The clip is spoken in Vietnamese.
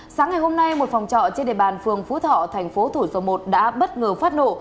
sáng ngày hôm nay một phòng trọ trên địa bàn phường phú thọ thành phố thủ dầu một đã bất ngờ phát nổ